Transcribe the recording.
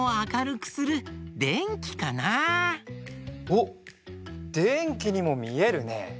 おっでんきにもみえるね。